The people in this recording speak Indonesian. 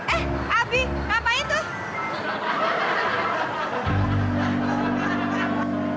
eh abi ngapain tuh